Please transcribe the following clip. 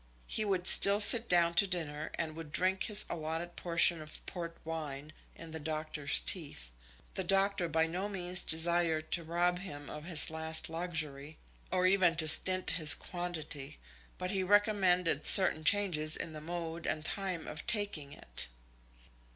He would still sit down to dinner, and would drink his allotted portion of port wine, in the doctor's teeth. The doctor by no means desired to rob him of his last luxury, or even to stint his quantity; but he recommended certain changes in the mode and time of taking it.